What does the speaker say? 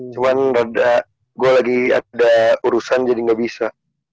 cuman gue lagi ada urusan jadi gak bisa